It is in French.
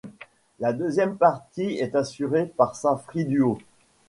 La deuxième partie est assurée par Safri Duo.